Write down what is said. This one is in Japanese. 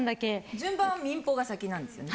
順番民放が先なんですよね。